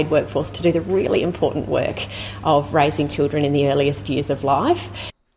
untuk melakukan kerja yang sangat penting untuk membangun anak anak di awal hayat